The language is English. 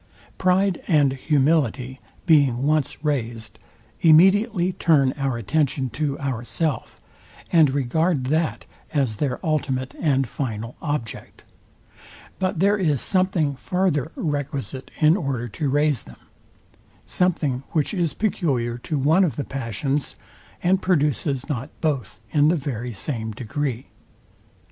Pride and humility, being once raised, immediately turn our attention to ourself, and regard that as their ultimate and final object; but there is something farther requisite in order to raise them: Something, which is peculiar to one of the passions, and produces not both in the very same degree.